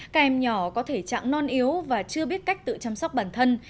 các em nhỏ có thể trạng non yếu và chưa biết cách tự chăm sóc bản thân